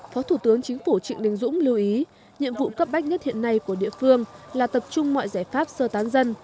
phó thủ tướng chính phủ trịnh đình dũng lưu ý nhiệm vụ cấp bách nhất hiện nay của địa phương là tập trung mọi giải pháp sơ tán dân